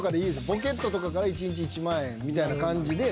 ポケットとかから１日１万円みたいな感じで。